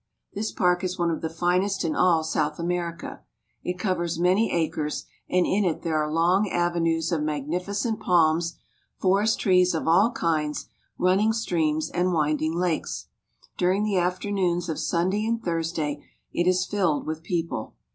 This park is one of the finest in all South America. It covers many acres, and in it there are long avenues of magnificent palms, forest trees of all kinds, running Palermo Park. streams, and winding lakes. During the afternoons of Sunday and Thursday it is filled wit|k..people.